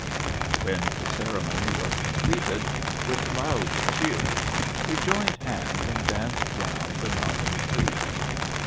When the ceremony was completed, with loud cheers wc joined hands and danced round the nod ding trees.